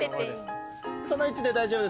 その位置で大丈夫です。